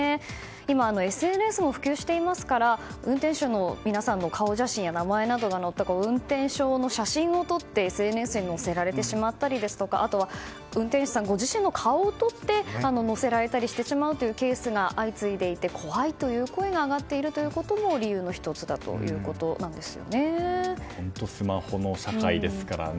今、ＳＮＳも普及していますから運転手の皆さんの顔写真や名前などが載った運転証の写真を撮ってＳＮＳに乗せられてしまったり運転手さんご自身の顔を撮って載せられたりしてしまうというケースが相次いでいて怖いという声が上がっているということも本当、スマホの社会ですからね。